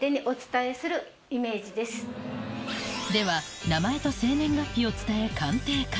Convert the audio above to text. では名前と生年月日を伝え